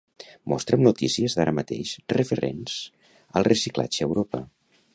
Mostra'm notícies d'ara mateix referents al reciclatge a Europa.